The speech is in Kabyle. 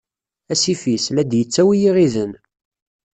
Asif-is, la d-yettawi iɣiden.